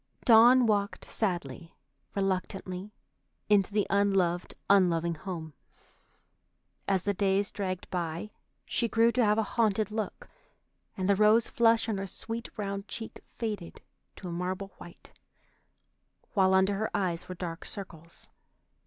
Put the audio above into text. Dawn walked sadly, reluctantly, into the unloved, unloving home. As the days dragged by, she grew to have a haunted look, and the rose flush on her sweet round cheek faded to a marble white, while under her eyes were dark circles.